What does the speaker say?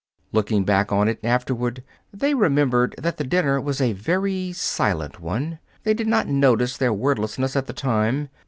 Looking back on it, afterward, they remembered that the dinner was a very silent one. They did not notice their wordlessness at the time.